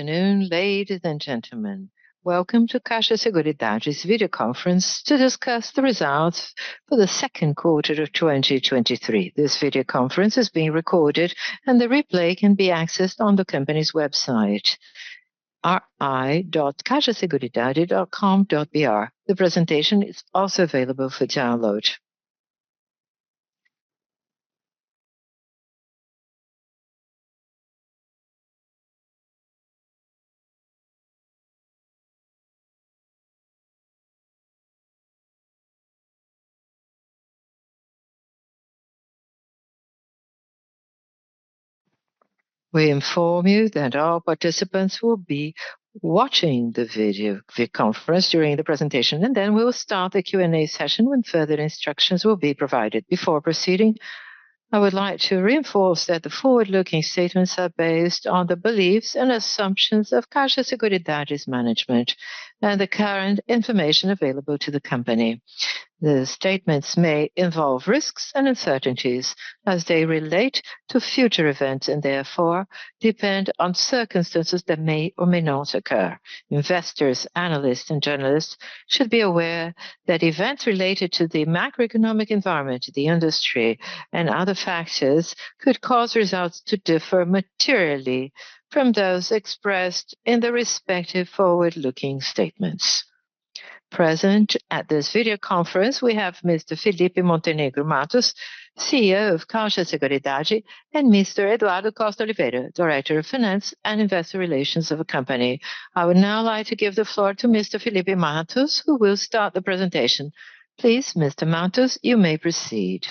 Good afternoon, ladies and gentlemen. Welcome to Caixa Seguridade's video conference to discuss the results for the Q2 of 2023. This video conference is being recorded, and the replay can be accessed on the company's website, ri.caixaseguridade.com.br. The presentation is also available for download. We inform you that all participants will be watching the video conference during the presentation, then we will start the Q&A session when further instructions will be provided. Before proceeding, I would like to reinforce that the forward-looking statements are based on the beliefs and assumptions of Caixa Seguridade's management and the current information available to the company. The statements may involve risks and uncertainties as they relate to future events, therefore depend on circumstances that may or may not occur. Investors, analysts, and journalists should be aware that events related to the macroeconomic environment, the industry, and other factors could cause results to differ materially from those expressed in the respective forward-looking statements. Present at this video conference, we have Mr. Felipe Montenegro Mattos, CEO of Caixa Seguridade, and Mr. Eduardo Costa de Oliveira, Director of Finance and Investor Relations of the company. I would now like to give the floor to Mr. Felipe Mattos, who will start the presentation. Please, Mr. Mattos, you may proceed.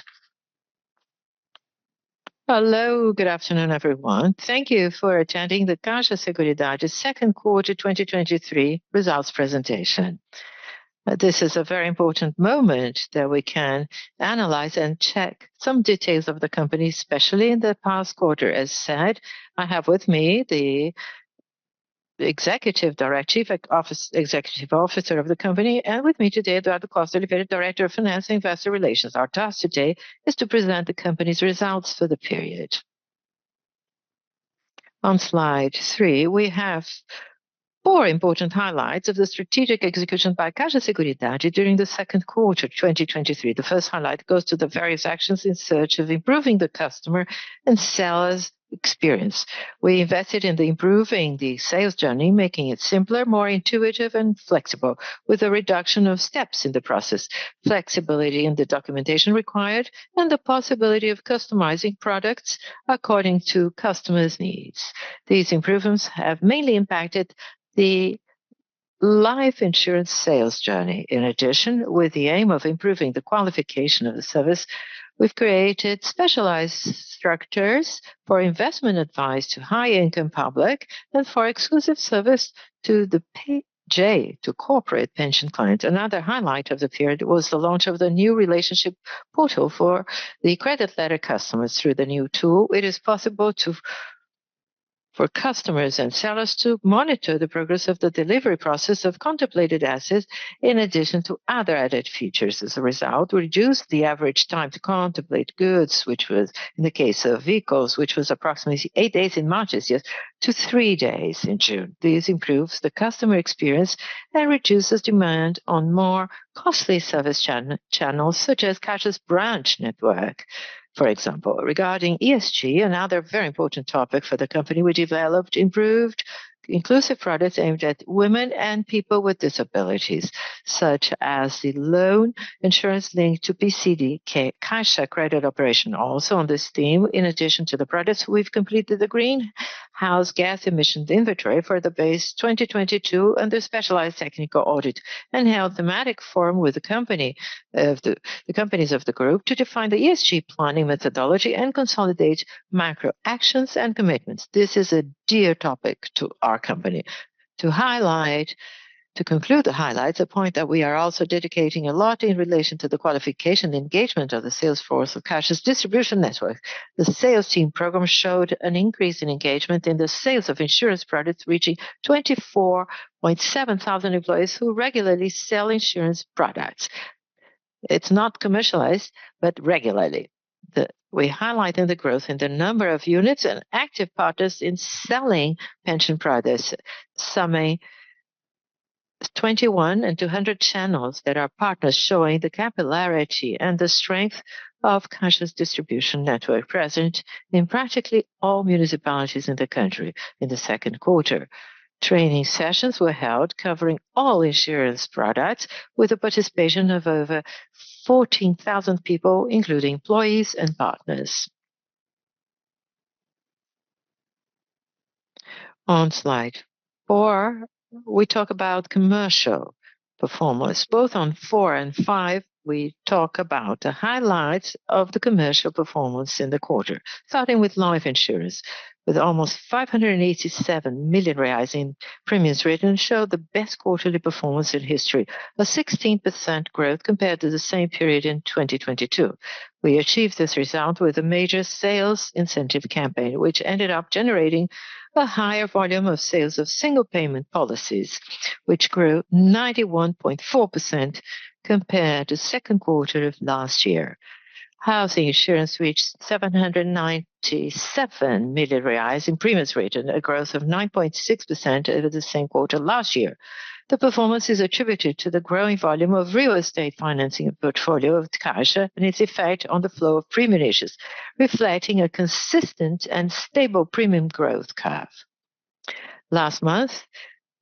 Hello, good afternoon, everyone. Thank you for attending the Caixa Seguridade's Q2 2023 results presentation. This is a very important moment that we can analyze and check some details of the company, especially in the past quarter. As said, I have with me the Chief Executive Officer of the company, and with me today, Eduardo Costa de Oliveira, Director of Finance and Investor Relations. Our task today is to present the company's results for the period. On slide three, we have four important highlights of the strategic execution by Caixa Seguridade during the Q2, 2023. The first highlight goes to the various actions in search of improving the customer and sellers' experience. We invested in improving the sales journey, making it simpler, more intuitive and flexible, with a reduction of steps in the process, flexibility in the documentation required, and the possibility of customizing products according to customers' needs. These improvements have mainly impacted the life insurance sales journey. With the aim of improving the qualification of the service, we've created specialized structures for investment advice to high-income public and for exclusive service to the PJ, to corporate pension clients. Another highlight of the period was the launch of the new relationship portal for the credit letter customers. Through the new tool, it is possible for customers and sellers to monitor the progress of the delivery process of contemplated assets, in addition to other added features. We reduced the average time to contemplate goods, which was, in the case of vehicles, which was approximately eight days in March this year, to three days in June. This improves the customer experience and reduces demand on more costly service channels, such as Caixa's branch network, for example. Regarding ESG, another very important topic for the company, we developed improved inclusive products aimed at women and people with disabilities, such as the loan insurance linked to PcD Caixa credit operation. Also, on this theme, in addition to the products, we've completed the greenhouse gas emissions inventory for the base 2022 and the specialized technical audit, and held thematic forum with the company, the companies of the group to define the ESG planning methodology and consolidate macro actions and commitments. This is a dear topic to our company. To conclude the highlights, a point that we are also dedicating a lot in relation to the qualification engagement of the sales force of Caixa's distribution network. The sales team program showed an increase in engagement in the sales of insurance products, reaching 24,700 thousand employees who regularly sell insurance products. It's not commercialized, but regularly. We highlighted the growth in the number of units and active partners in selling pension products, summing 21,200 channels that are partners showing the capillarity and the strength of Caixa's distribution network, present in practically all municipalities in the country in the Q2. Training sessions were held covering all insurance products, with the participation of over 14,000 people, including employees and partners. On slide four, we talk about commercial performance. Both on four and five, we talk about the highlights of the commercial performance in the quarter. Starting with life insurance, with almost 587 million reais in premiums written, showed the best quarterly performance in history, a 16% growth compared to the same period in 2022. We achieved this result with a major sales incentive campaign, which ended up generating a higher volume of sales of single payment policies, which grew 91.4% compared to Q2 of last year. Housing insurance reached 797 million reais in premiums written, a growth of 9.6% over the same quarter last year. The performance is attributed to the growing volume of real estate financing portfolio of Caixa and its effect on the flow of premium issues, reflecting a consistent and stable premium growth curve. Last month,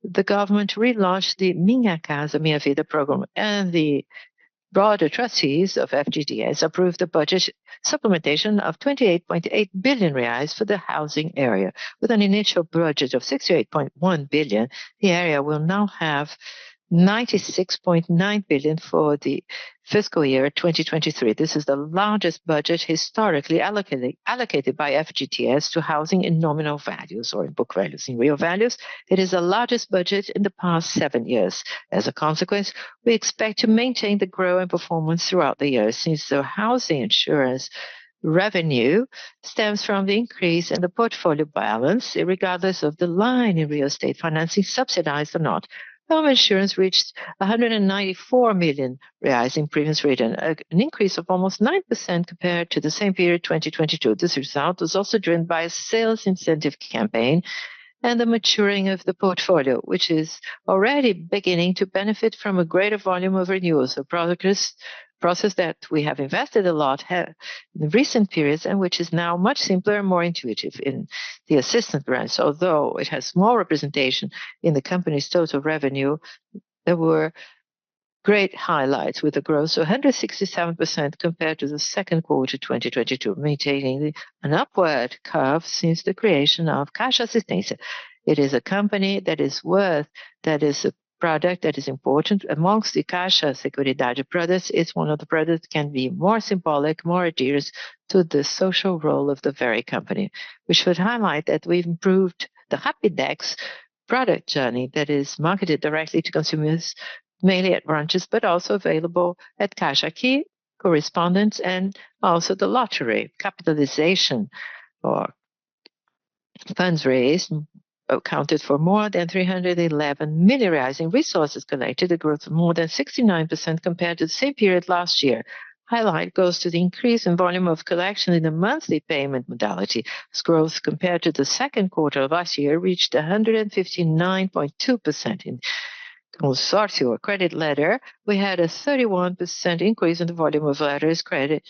the government relaunched the Minha Casa, Minha Vida program, the board of trustees of FGTS approved the budget supplementation of 28.8 billion reais for the housing area. With an initial budget of 68.1 billion, the area will now have 96.9 billion for the fiscal year 2023. This is the largest budget historically allocated, allocated by FGTS to housing in nominal values or in book values. In real values, it is the largest budget in the past seven years. As a consequence, we expect to maintain the growing performance throughout the year, since the housing insurance revenue stems from the increase in the portfolio balance, irregardless of the line in real estate financing, subsidized or not. Home insurance reached 194 million reais in previous region, an increase of almost 9% compared to the same period, 2022. This result was also driven by a sales incentive campaign and the maturing of the portfolio, which is already beginning to benefit from a greater volume of renewals. A process that we have invested a lot in, in recent periods, and which is now much simpler and more intuitive in the assistant branch. Although it has small representation in the company's total revenue, there were great highlights with the growth of 167% compared to the Q2 2022, maintaining an upward curve since the creation of Caixa Assistência. It is a product that is important amongst the Caixa Seguridade products. It's one of the products can be more symbolic, more adheres to the social role of the very company. We should highlight that we've improved the Hap index product journey that is marketed directly to consumers, mainly at branches, but also available at Caixa Aqui correspondents and also the lottery capitalization or funds raised, accounted for more than 311 million in resources collected, a growth of more than 69% compared to the same period last year. Highlight goes to the increase in volume of collection in the monthly payment modality. This growth, compared to the Q2 of last year, reached 159.2%. In Consórcio, or credit letter, we had a 31% increase in the volume of letters credit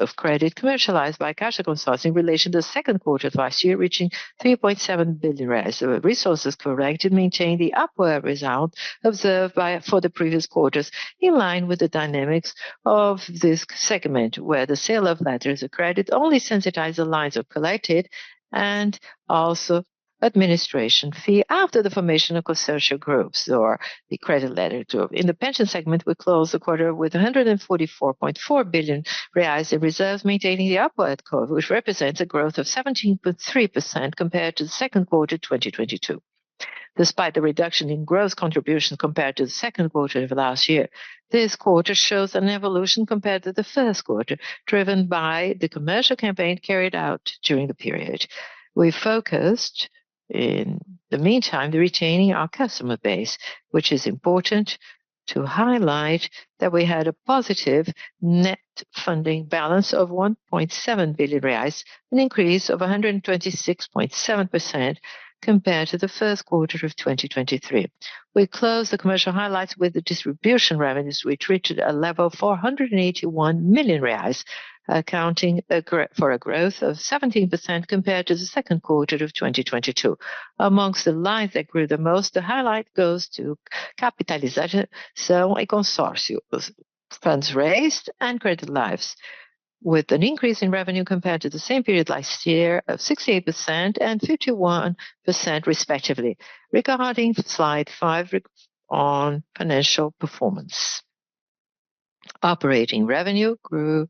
of credit commercialized by Caixa Consórcio in relation to the Q2 of last year, reaching 3.7 billion. Resources collected maintained the upward result observed for the previous quarters, in line with the dynamics of this segment, where the sale of letters of credit only sensitize the lines of collected and also administration fee after the formation of Consórcio groups or the credit letter to. In the pension segment, we closed the quarter with 144.4 billion reais in reserves, maintaining the upward curve, which represents a growth of 17.3% compared to the Q2 2022. Despite the reduction in gross contributions compared to the Q2 of last year, this quarter shows an evolution compared to the Q1, driven by the commercial campaign carried out during the period. We focused, in the meantime, to retaining our customer base, which is important to highlight that we had a positive net funding balance of 1.7 billion reais, an increase of 126.7% compared to the Q1 of 2023. We closed the commercial highlights with the distribution revenues, which reached a level of 481 million reais, accounting, correct, for a growth of 17% compared to the Q2 of 2022. Amongst the lines that grew the most, the highlight goes to Capitalização, Consórcio. Funds raised and Credit Life, with an increase in revenue compared to the same period last year of 68% and 51% respectively. Regarding slide five on financial performance. Operating revenue grew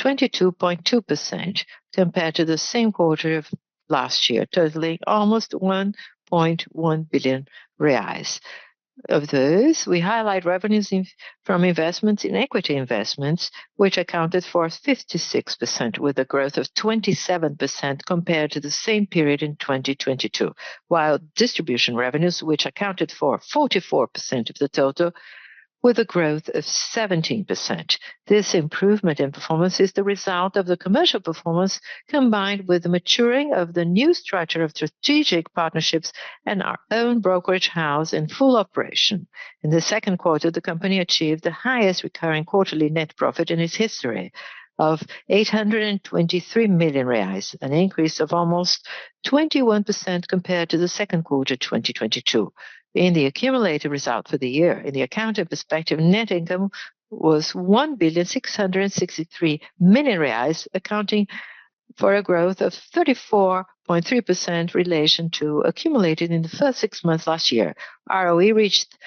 22.2% compared to the same quarter of last year, totaling almost 1.1 billion reais. Of those, we highlight revenues from investments in equity investments, which accounted for 56%, with a growth of 27% compared to the same period in 2022. While distribution revenues, which accounted for 44% of the total, with a growth of 17%. This improvement in performance is the result of the commercial performance, combined with the maturing of the new structure of strategic partnerships and our own brokerage house in full operation. In the Q2, the company achieved the highest recurring quarterly net profit in its history of 823 million reais, an increase of almost 21% compared to the Q2, 2022. In the accumulated result for the year, in the accounting perspective, net income was 1,663 million reais, accounting for a growth of 34.3% in relation to accumulated in the first six months last year. ROE reached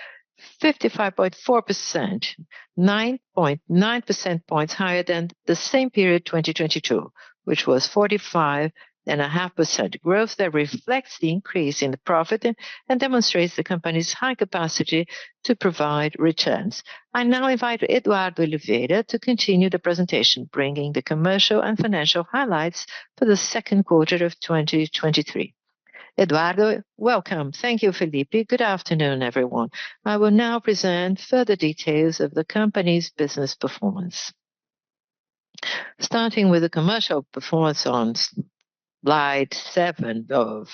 55.4%, 9.9 percent points higher than the same period, 2022, which was 45.5% growth. That reflects the increase in the profit and demonstrates the company's high capacity to provide returns. I now invite Eduardo Oliveira to continue the presentation, bringing the commercial and financial highlights for the Q2 of 2023. Eduardo, welcome. Thank you, Felipe. Good afternoon, everyone. I will now present further details of the company's business performance. Starting with the commercial performance on slide seven of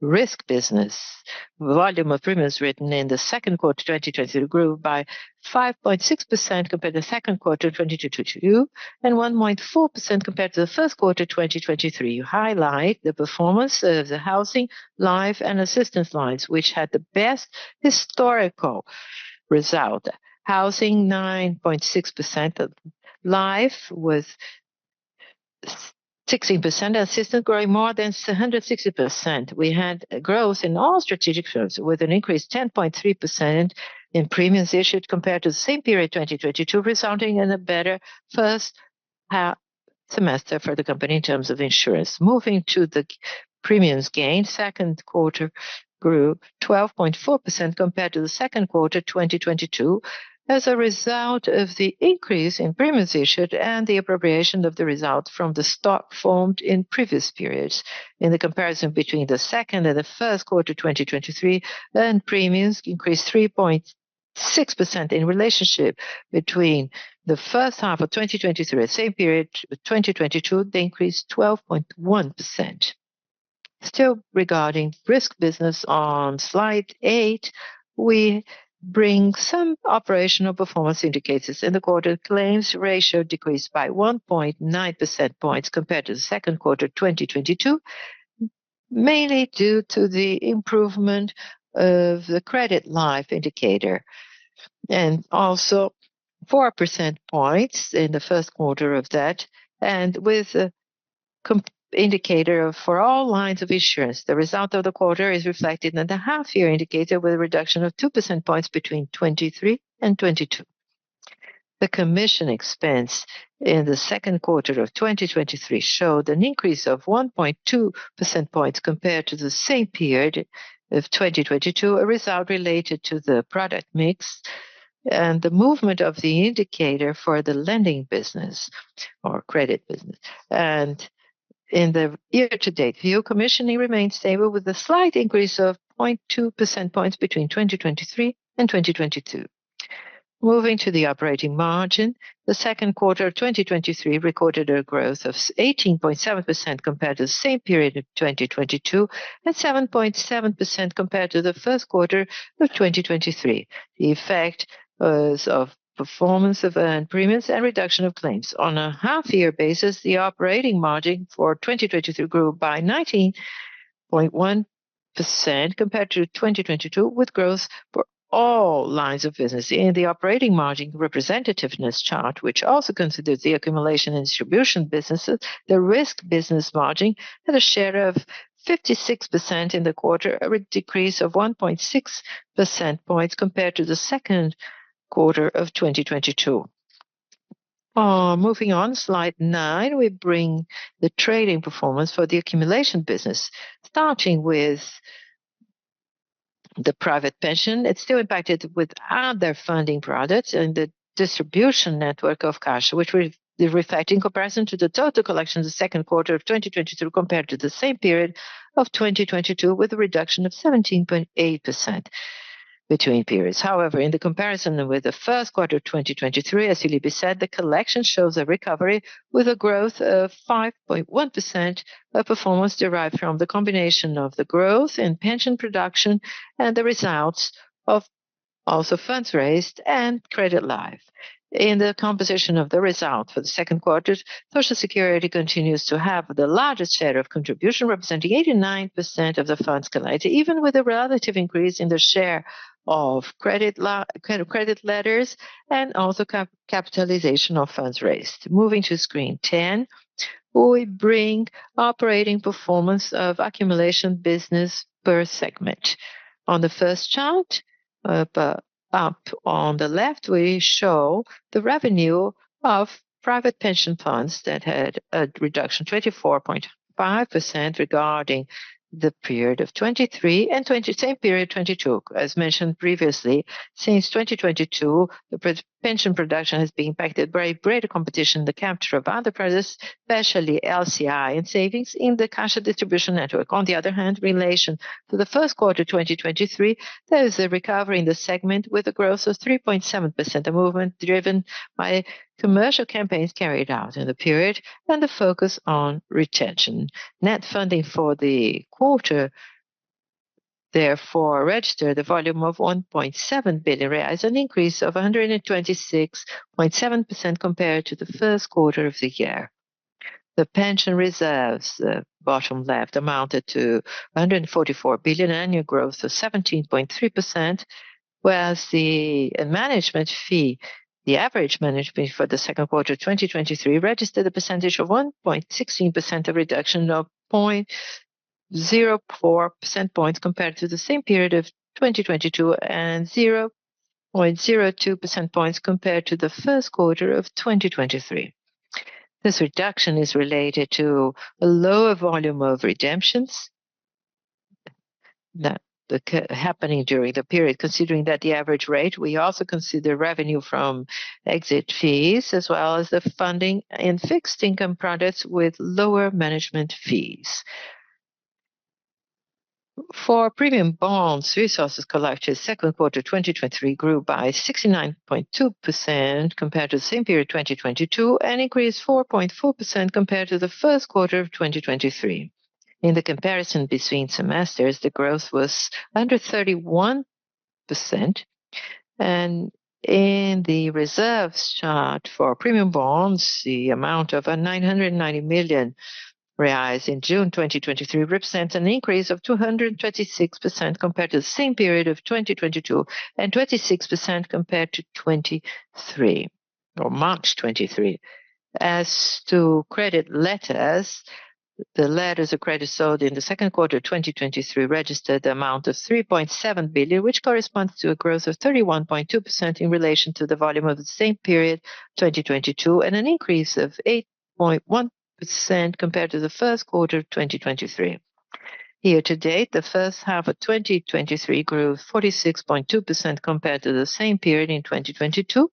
risk business. Volume of premiums written in the Q2 of 2023 grew by 5.6% compared to the Q2 of 2022, and 1.4% compared to the Q1 of 2023. You highlight the performance of the housing, life, and assistance lines, which had the best historical result. Housing, 9.6%. Life was 16%, assistant growing more than 160%. We had growth in all strategic firms, with an increase 10.3% in premiums issued compared to the same period, 2022, resulting in a better first half semester for the company in terms of insurance. Moving to the premiums gained, Q2 grew 12.4% compared to the Q2, 2022, as a result of the increase in premiums issued and the appropriation of the results from the stock formed in previous periods. In the comparison between the second and the Q1, 2023, earned premiums increased 3.6% in relationship between the first half of 2023. The same period, 2022, they increased 12.1%. Still regarding risk business, on slide eight, we bring some operational performance indicators. In the quarter, claims ratio decreased by 1.9 percent points compared to the Q2 2022, mainly due to the improvement of the Credit Life indicator, and also 4 percent points in the Q1 of that, and with a indicator for all lines of insurance. The result of the quarter is reflected in the half-year indicator, with a reduction of 2 percent points between 2023 and 2022. The commission expense in the Q2 of 2023 showed an increase of 1.2 percent points compared to the same period of 2022, a result related to the product mix and the movement of the indicator for the lending business or credit business. In the year-to-date view, commissioning remains stable, with a slight increase of 0.2 percent points between 2023 and 2022. Moving to the operating margin, the Q2 of 2023 recorded a growth of 18.7% compared to the same period of 2022, and 7.7% compared to the Q1 of 2023. The effect was of performance of earned premiums and reduction of claims. On a half-year basis, the operating margin for 2023 grew by 19.1% compared to 2022, with growth for all lines of business. In the operating margin representativeness chart, which also considers the accumulation and distribution businesses, the risk business margin had a share of 56% in the quarter, a decrease of 1.6 percent points compared to the Q2 of 2022. Moving on, slide nine, we bring the trading performance for the accumulation business, starting with the private pension. It's still impacted with other funding products and the distribution network of Caixa, which reflecting comparison to the total collection of the Q2 of 2023, compared to the same period of 2022, with a reduction of 17.8% between periods. In the comparison with the Q1 of 2023, as Philippe said, the collection shows a recovery with a growth of 5.1%, a performance derived from the combination of the growth in pension production and the results of also funds raised and Credit Life. In the composition of the result for the Q2, Social Security continues to have the largest share of contribution, representing 89% of the funds collected, even with a relative increase in the share of credit letters and also Capitalização of funds raised. Moving to screen 10, we bring operating performance of accumulation business per segment. On the first chart, up on the left, we show the revenue of private pension funds that had a reduction, 24.5%, regarding the period of 2023 and same period, 2022. As mentioned previously, since 2022, the pre- pension production has been impacted by greater competition in the capture of other products, especially LCI and savings in the cash or distribution network. On the other hand, in relation to the Q1 2023, there is a recovery in the segment with a growth of 3.7%, a movement driven by commercial campaigns carried out in the period and the focus on retention. Net funding for the quarter, therefore, registered a volume of 1.7 billion reais, an increase of 126.7% compared to the Q1 of the year. The pension reserves, bottom left, amounted to 144 billion, annual growth of 17.3%, whereas the management fee, the average management fee for the Q2 of 2023, registered a percentage of 1.16%, a reduction of 0.04 percent points compared to the same period of 2022, and 0.02 percent points compared to the Q1 of 2023. This reduction is related to a lower volume of redemptions happening during the period. Considering that the average rate, we also consider revenue from exit fees, as well as the funding in fixed income products with lower management fees. For premium bonds, resources collected Q2 2023 grew by 69.2% compared to the same period 2022, and increased 4.4% compared to the Q1 of 2023. In the comparison between semesters, the growth was under 31%, and in the reserves chart for premium bonds, the amount of 990 million reais in June 2023 represents an increase of 226% compared to the same period of 2022, and 26% compared to 2023 or March 2023. As to credit letters, the letters of credit sold in the Q2 of 2023 registered the amount of 3.7 billion, which corresponds to a growth of 31.2% in relation to the volume of the same period, 2022, and an increase of 8.1% compared to the Q1 of 2023. Year to date, the first half of 2023 grew 46.2% compared to the same period in 2022,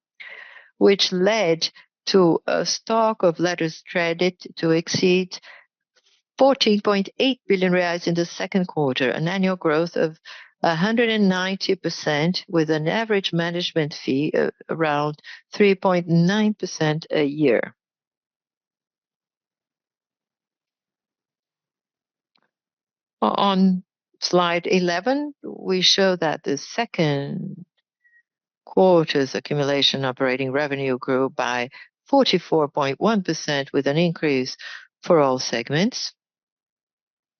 which led to a stock of letters credit to exceed 14.8 billion reais in the Q2, an annual growth of 190%, with an average management fee of around 3.9% a year. On Slide 11, we show that the Q2's accumulation operating revenue grew by 44.1%, with an increase for all segments.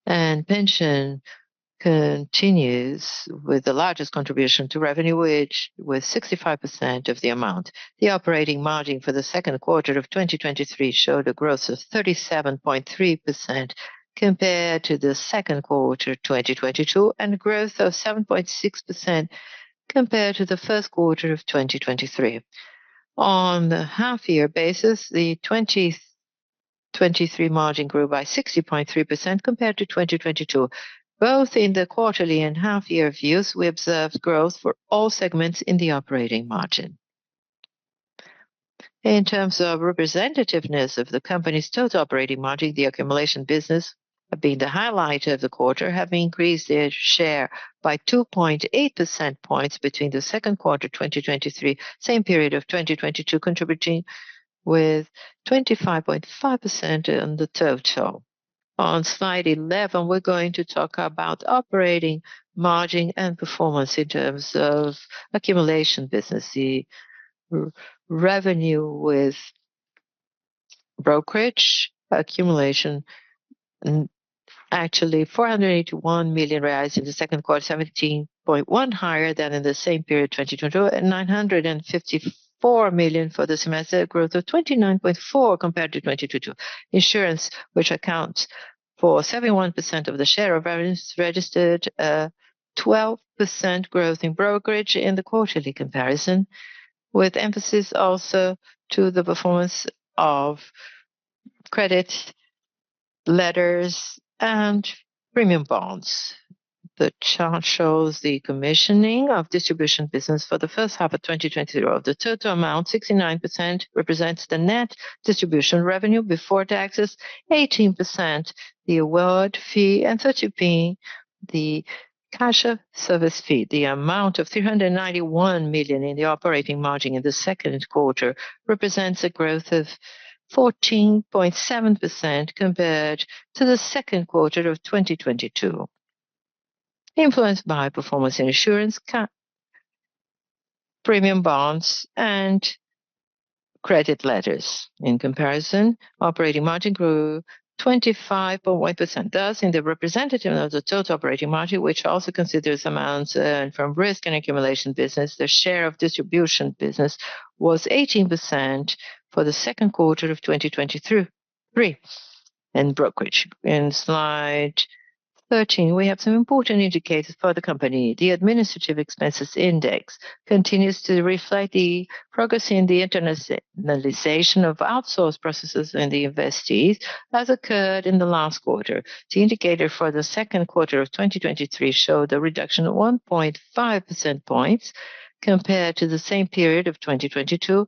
Pension continues with the largest contribution to revenue, which was 65% of the amount. The operating margin for the Q2 of 2023 showed a growth of 37.3% compared to the Q2 of 2022, and a growth of 7.6% compared to the Q1 of 2023. On the half-year basis, the 2023 margin grew by 60.3% compared to 2022. Both in the quarterly and half-year views, we observed growth for all segments in the operating margin. In terms of representativeness of the company's total operating margin, the accumulation business, being the highlight of the quarter, have increased their share by 2.8 percent points between the Q2 2023, same period of 2022, contributing with 25.5% on the total. On slide 11, we're going to talk about operating margin and performance in terms of accumulation business. The revenue with brokerage accumulation, actually 481 million reais in the 2Q, 17.1% higher than in the same period, 2022, and 954 million for the semester, a growth of 29.4% compared to 2022. Insurance, which accounts for 71% of the share of variance, registered a 12% growth in brokerage in the quarterly comparison, with emphasis also to the performance of credit letters and premium bonds. The chart shows the commissioning of distribution business for the H1 of 2022. Of the total amount, 69% represents the net distribution revenue before taxes, 18% the award fee, and 33% the cash service fee. The amount of 391 million in the operating margin in the Q2 represents a growth of 14.7% compared to the Q2 of 2022, influenced by performance in insurance, premium bonds, and credit letters. In comparison, operating margin grew 25.1%. Thus, in the representative of the total operating margin, which also considers amounts from risk and accumulation business, the share of distribution business was 18% for the Q2 of 2023, and brokerage. In slide 13, we have some important indicators for the company. The Administrative Expenses Index continues to reflect the progress in the internationalization of outsourced processes in the investees, as occurred in the last quarter. The indicator for the Q2 of 2023 showed a reduction of 1.5 percentage points compared to the same period of 2022,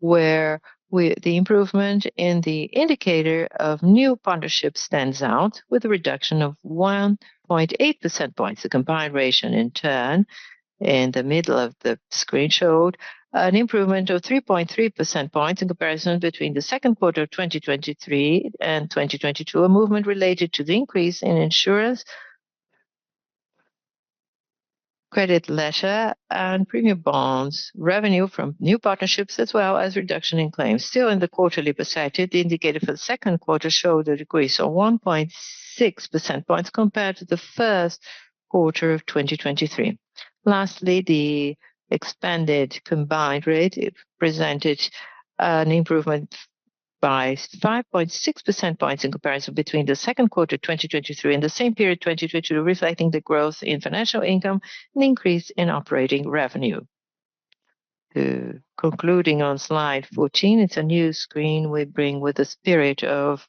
where with the improvement in the indicator of new partnerships stands out, with a reduction of 1.8 percentage points. The combined ratio, in turn, in the middle of the screen, showed an improvement of 3.3 percentage points in comparison between the Q2 of 2023 and 2022, a movement related to the increase in insurance, credit letter, and premium bonds, revenue from new partnerships, as well as reduction in claims. Still in the quarterly percentage, the indicator for the Q2 showed a decrease of 1.6 percentage points compared to the Q1 of 2023. Lastly, the expanded combined ratio presented an improvement by 5.6 percentage points in comparison between the Q2 2023 and the same period, 2022, reflecting the growth in financial income and increase in operating revenue. Concluding on slide 14, it's a new screen we bring with the spirit of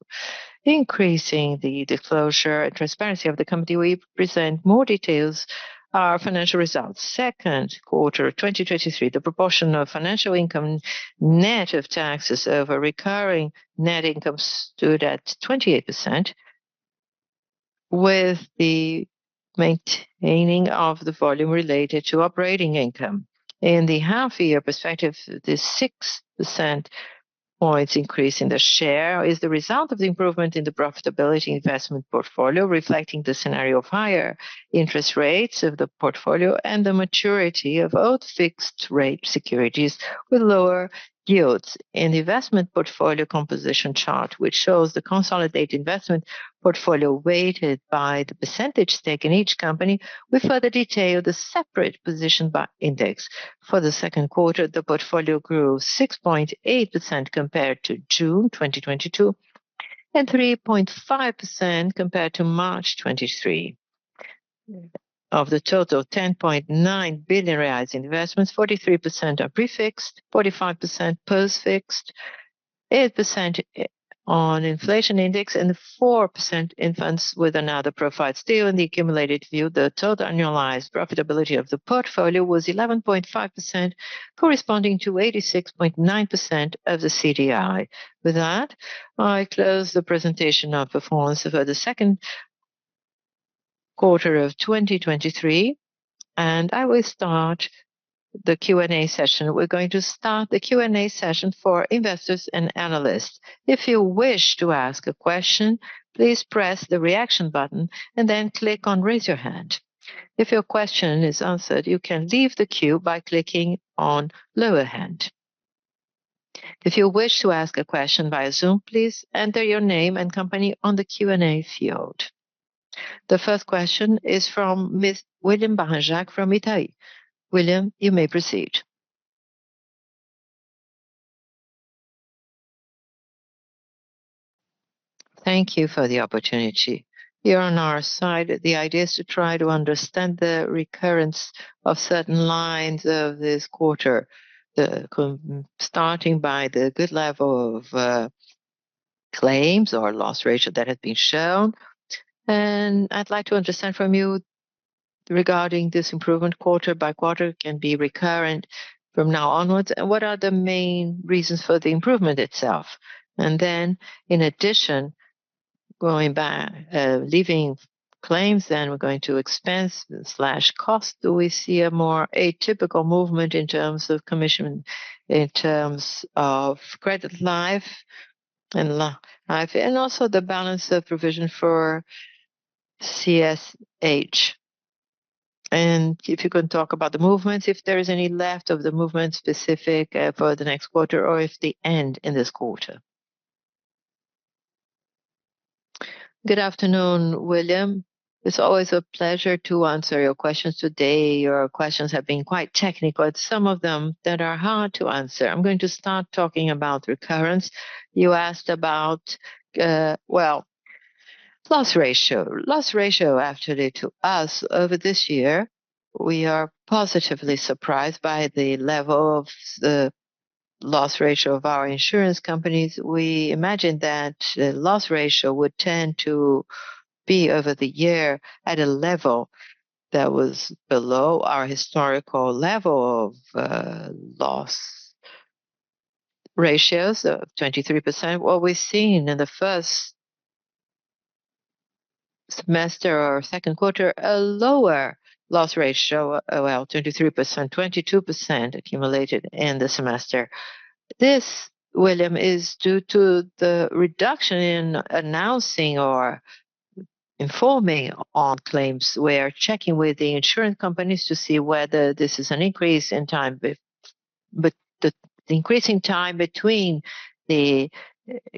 increasing the disclosure and transparency of the company. We present more details our financial results. Q2 of 2023, the proportion of financial income net of taxes over recurring net income stood at 28%. With the maintaining of the volume related to operating income. In the half-year perspective, this 6 percentage points increase in the share is the result of the improvement in the profitability investment portfolio, reflecting the scenario of higher interest rates of the portfolio and the maturity of old fixed-rate securities with lower yields. In the investment portfolio composition chart, which shows the consolidated investment portfolio weighted by the percentage stake in each company, we further detail the separate position by index. For the Q2, the portfolio grew 6.8% compared to June 2022, and 3.5% compared to March 2023. Of the total 10.9 billion reais in investments, 43% are prefixed, 45% postfixed, 8% on inflation index, and 4% infants with another profile. Still, in the accumulated view, the total annualized profitability of the portfolio was 11.5%, corresponding to 86.9% of the CDI. With that, I close the presentation of performance over the Q2 of 2023, I will start the Q&A session. We're going to start the Q&A session for investors and analysts. If you wish to ask a question, please press the Reaction button and then click on Raise Your Hand. If your question is answered, you can leave the queue by clicking on Lower Hand. If you wish to ask a question via Zoom, please enter your name and company on the Q&A field. The first question is from Miss William Barranjard from Itaú. William, you may proceed. Thank you for the opportunity. Here on our side, the idea is to try to understand the recurrence of certain lines of this quarter, starting by the good level of claims or loss ratio that has been shown. I'd like to understand from you regarding this improvement quarter by quarter can be recurrent from now onwards, and what are the main reasons for the improvement itself? Then, in addition, going back, leaving claims, then we're going to expense slash cost. Do we see a more atypical movement in terms of commission, in terms of Credit Life and life, and also the balance of provision for CSH? If you can talk about the movements, if there is any left of the movement specific for the next quarter or if they end in this quarter. Good afternoon, William. It's always a pleasure to answer your questions today. Your questions have been quite technical, but some of them that are hard to answer. I'm going to start talking about recurrence. You asked about, well, loss ratio. Loss ratio, actually, to us, over this year, we are positively surprised by the level of the loss ratio of our insurance companies. We imagine that the loss ratio would tend to be over the year at a level that was below our historical level of loss ratios of 23%. What we're seeing in the first semester or Q2, a lower loss ratio, well, 23%, 22% accumulated in the semester. This, William, is due to the reduction in announcing or informing on claims. We're checking with the insurance companies to see whether this is an increase in time but the increasing time between the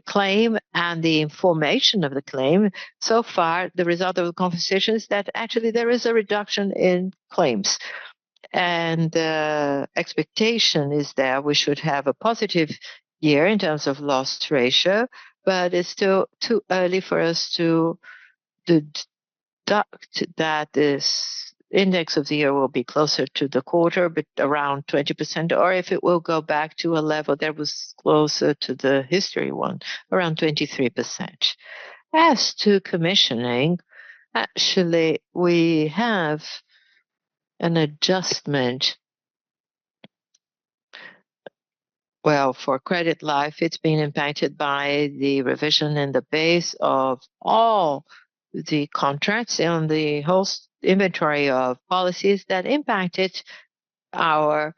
claim and the information of the claim. so far, the result of the conversation is that actually there is a reduction in claims, and the expectation is that we should have a positive year in terms of lost ratio, but it's still too early for us to deduct that this index of the year will be closer to the quarter, but around 20%, or if it will go back to a level that was closer to the history one, around 23%. As to commissioning, actually, we have an adjustment. Well, for Credit Life, it's been impacted by the revision in the base of all the contracts on the whole inventory of policies that impacted our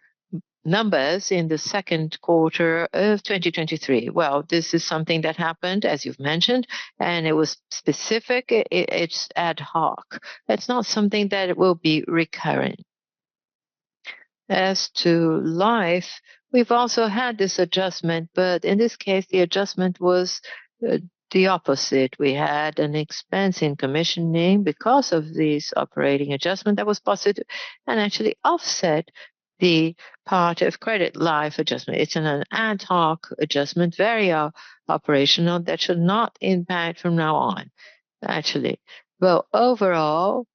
numbers in the Q2 2023. Well, this is something that happened, as you've mentioned, and it was specific. It's ad hoc. It's not something that it will be recurring. As to life, we've also had this adjustment. In this case, the adjustment was the opposite. We had an expense in commissioning because of this operating adjustment that was positive and actually offset the part of credit life adjustment. It's an ad hoc adjustment, very operational, that should not impact from now on, actually. Well, overall,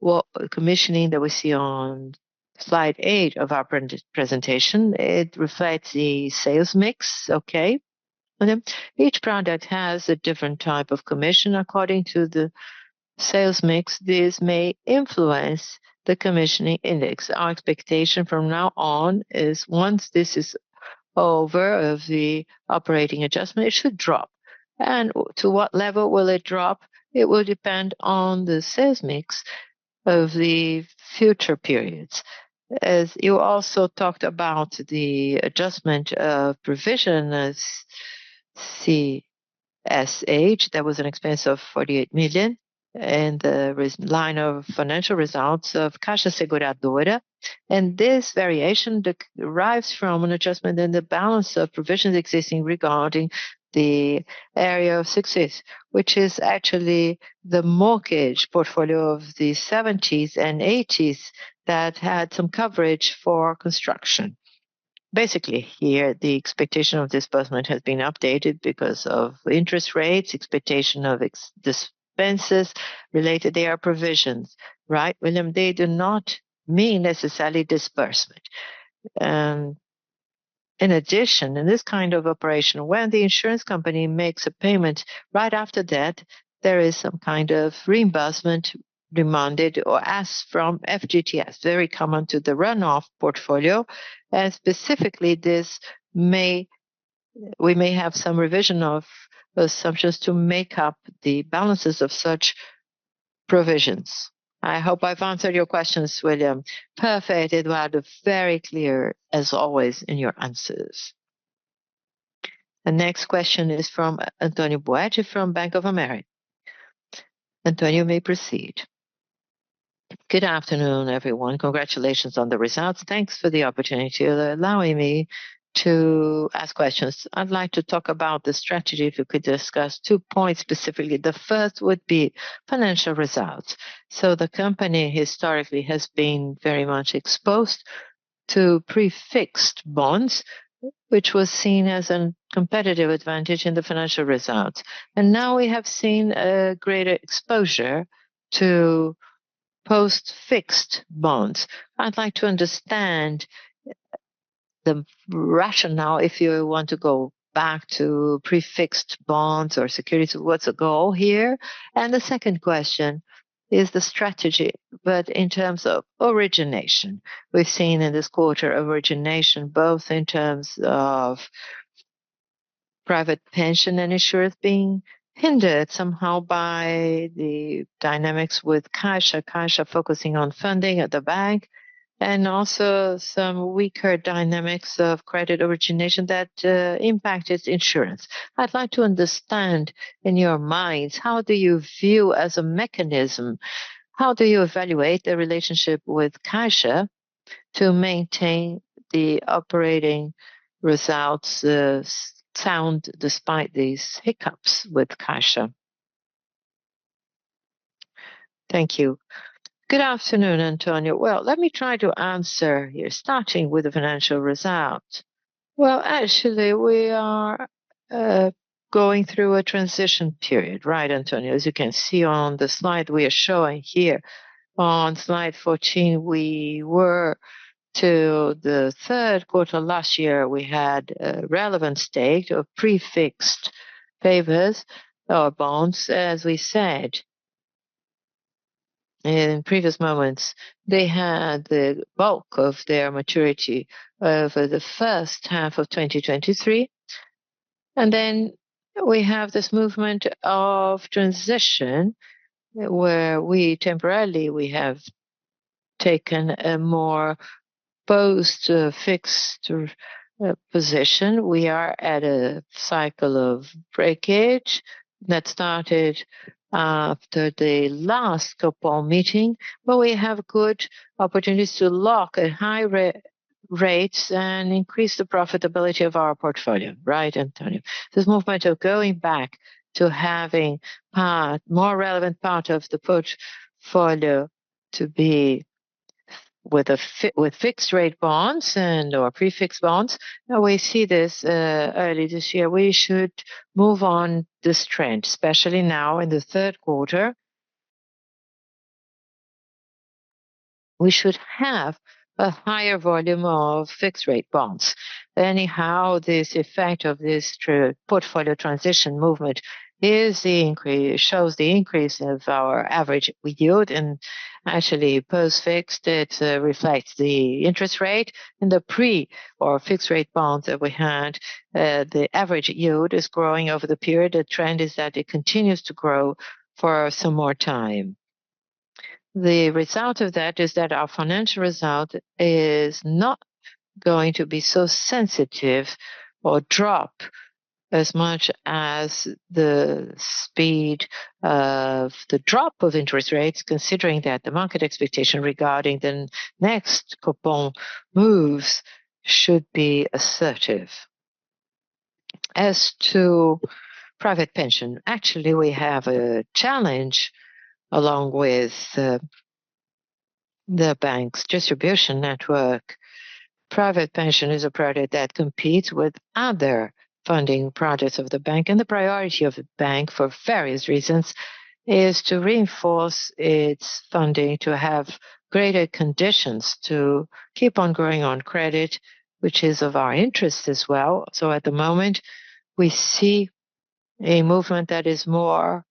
what commissioning that we see on slide eight of our presentation, it reflects the sales mix, okay? Each product has a different type of commission according to the sales mix. This may influence the commissioning index. Our expectation from now on is once over of the operating adjustment, it should drop. To what level will it drop? It will depend on the sales mix of the future periods. As you also talked about the adjustment of provision as CSH, that was an expense of 48 million in the line of financial results of Caixa Seguradora. This variation derives from an adjustment in the balance of provisions existing regarding the area of success, which is actually the mortgage portfolio of the 1970s and 1980s that had some coverage for construction. Basically, here, the expectation of disbursement has been updated because of interest rates, expectation of disbursements related to their provisions, right, William? They do not mean necessarily disbursement. In addition, in this kind of operation, when the insurance company makes a payment, right after that, there is some kind of reimbursement demanded or asked from FGTS, very common to the runoff portfolio, and specifically, this may we may have some revision of assumptions to make up the balances of such provisions. I hope I've answered your questions, William. Perfect, Eduardo, very clear as always in your answers. The next question is from Antonio Ruette from Bank of America. Antonio, you may proceed. Good afternoon, everyone. Congratulations on the results. Thanks for the opportunity of allowing me to ask questions. I'd like to talk about the strategy. If you could discuss two points, specifically. The first would be financial results. The company historically has been very much exposed to prefixed bonds, which was seen as a competitive advantage in the financial results. Now we have seen a greater exposure to post-fixed bonds. I'd like to understand the rationale if you want to go back to prefixed bonds or securities, what's the goal here? The second question is the strategy, but in terms of origination. We've seen in this quarter origination, both in terms of private pension and insurers being hindered somehow by the dynamics with Caixa. Caixa focusing on funding at the bank, and also some weaker dynamics of credit origination that impact its insurance. I'd like to understand in your minds, how do you view as a mechanism, how do you evaluate the relationship with Caixa to maintain the operating results sound despite these hiccups with Caixa? Thank you. Good afternoon, Antonio. Well, let me try to answer you, starting with the financial results. Well, actually, we are going through a transition period, right, Antonio? As you can see on the slide we are showing here. On slide 14, we were till the Q3 last year, we had a relevant stake of prefixed papers or bonds, as we said. In previous moments, they had the bulk of their maturity over the first half of 2023, and then we have this movement of transition, where we temporarily, we have taken a more post-fixed position. We are at a cycle of breakage that started after the last Copom meeting, but we have good opportunities to lock at high rates and increase the profitability of our portfolio, right, Antonio? This movement of going back to having a more relevant part of the portfolio to be with fixed-rate bonds and/or prefixed bonds. We see this early this year. We should move on this trend, especially now in the Q3. We should have a higher volume of fixed-rate bonds. Anyhow, this effect of this true portfolio transition movement is the increase, shows the increase of our average yield, and actually, post-fixed, it reflects the interest rate and the pre- or fixed-rate bonds that we had, the average yield is growing over the period. The trend is that it continues to grow for some more time. The result of that is that our financial result is not going to be so sensitive or drop as much as the speed of the drop of interest rates, considering that the market expectation regarding the next Copom moves should be assertive. As to private pension, actually, we have a challenge along with the, the bank's distribution network. Private pension is a product that competes with other funding products of the bank, and the priority of the bank, for various reasons, is to reinforce its funding, to have greater conditions to keep on growing on credit, which is of our interest as well. At the moment, a movement that is more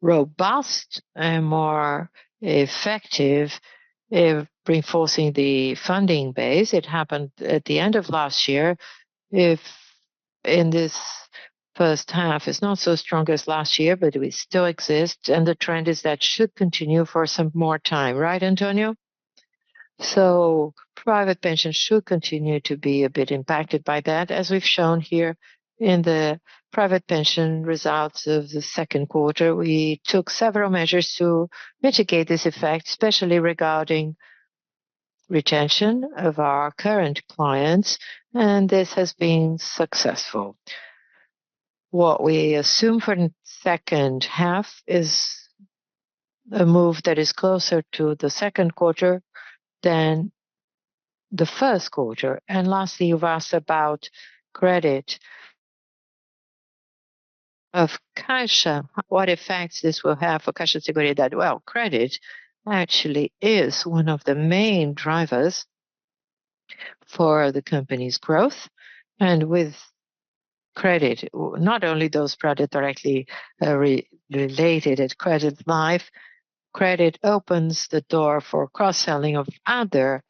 robust and more effective in reinforcing the funding base. It happened at the end of last year. If in this first half, it's not so strong as last year, but it still exists, and the trend is that should continue for some more time. Right, Antonio? Private pension should continue to be a bit impacted by that. As we've shown here in the private pension results of the Q2, we took several measures to mitigate this effect, especially regarding retention of our current clients, and this has been successful. What we assume for the second half is a move that is closer to the Q2 than the Q1. Lastly, you've asked about credit of Caixa. What effects this will have for Caixa Seguridade? Well, credit actually is one of the main drivers for the company's growth, and with credit, not only those credit directly re-related at Credit Life, credit opens the door for cross-selling of other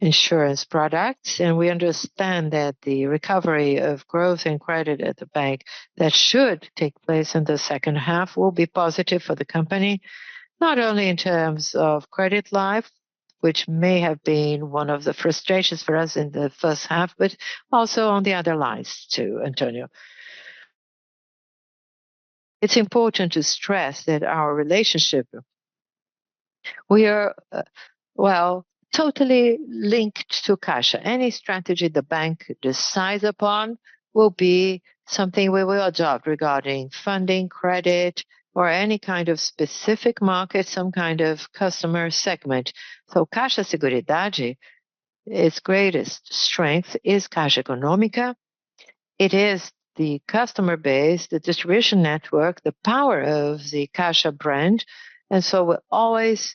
insurance products. We understand that the recovery of growth in credit at the bank that should take place in the second half will be positive for the company, not only in terms of Credit Life, which may have been one of the frustrations for us in the first half, but also on the other lines, too, Antonio. It's important to stress that our relationship, we are, well, totally linked to Caixa. Any strategy the bank decides upon will be something we will adopt regarding funding, credit, or any kind of specific market, some kind of customer segment. Caixa Seguridade, its greatest strength is Caixa Economica. It is the customer base, the distribution network, the power of the Caixa brand, we'll always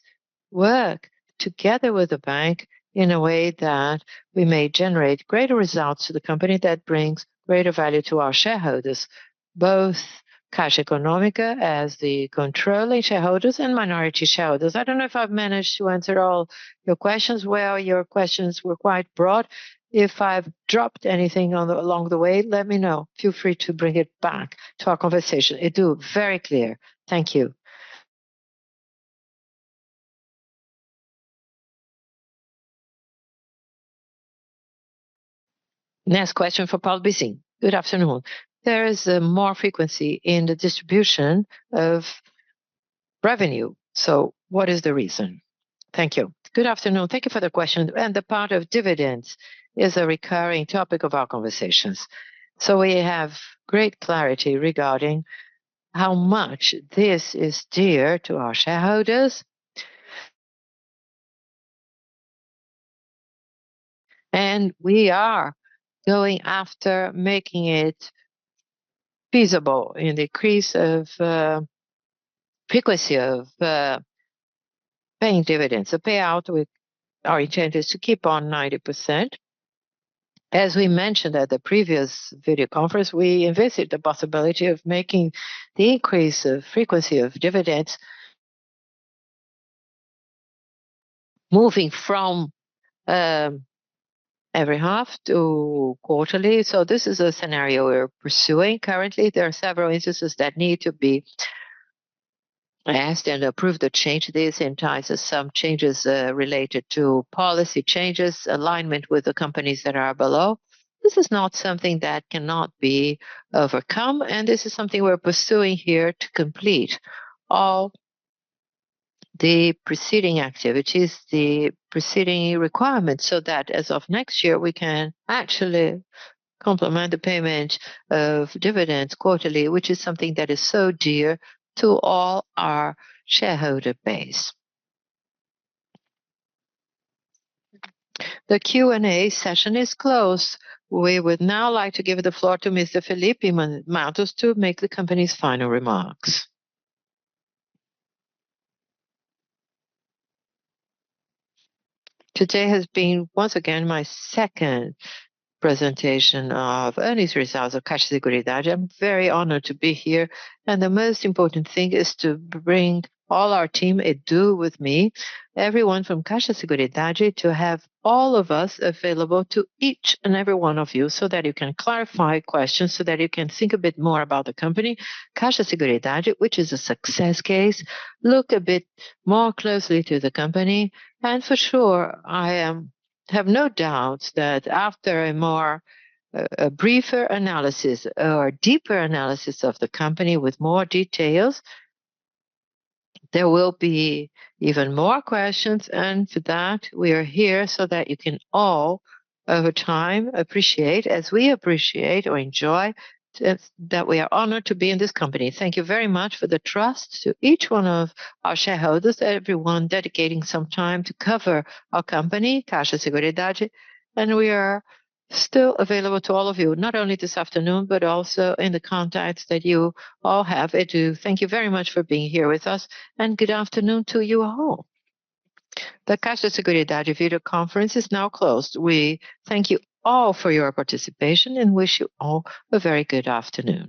work together with the bank in a way that we may generate greater results to the company that brings greater value to our shareholders, both Caixa Economica as the controlling shareholders and minority shareholders. I don't know if I've managed to answer all your questions. Well, your questions were quite broad. If I've dropped anything along the way, let me know. Feel free to bring it back to our conversation. I do. Very clear. Thank you. Next question for Paulo Bizzio. Good afternoon. There is more frequency in the distribution of revenue, what is the reason? Thank you. Good afternoon. Thank you for the question. The part of dividends is a recurring topic of our conversations. We have great clarity regarding how much this is dear to our shareholders. We are going after making it feasible, an increase of frequency of paying dividends. The payout with our intent is to keep on 90%. As we mentioned at the previous video conference, we envisaged the possibility of making the increase of frequency of dividends, moving from every half to quarterly. This is a scenario we're pursuing currently. There are several instances that need to be asked and approve the change. This entails as some changes related to policy changes, alignment with the companies that are below. This is not something that cannot be overcome, this is something we're pursuing here to complete all the preceding activities, the preceding requirements, so that as of next year, we can actually complement the payment of dividends quarterly, which is something that is so dear to all our shareholder base. The Q&A session is closed. We would now like to give the floor to Mr. Felipe Matos to make the company's final remarks. Today has been, once again, my second presentation of earnings results of Caixa Seguridade. I'm very honored to be here, the most important thing is to bring all our team with me, everyone from Caixa Seguridade, to have all of us available to each and every one of you, so that you can clarify questions, so that you can think a bit more about the company, Caixa Seguridade, which is a success case. Look a bit more closely to the company, and for sure, I have no doubts that after a more, a briefer analysis or deeper analysis of the company with more details, there will be even more questions. For that, we are here so that you can all, over time, appreciate, as we appreciate or enjoy, that we are honored to be in this company. Thank you very much for the trust to each one of our shareholders, everyone dedicating some time to cover our company, Caixa Seguridade. We are still available to all of you, not only this afternoon, but also in the contacts that you all have. I do thank you very much for being here with us. Good afternoon to you all. The Caixa Seguridade video conference is now closed. We thank you all for your participation and wish you all a very good afternoon.